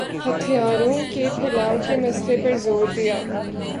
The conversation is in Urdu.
ہتھیاروں کے پھیلاؤ کے مسئلے پر زور دیا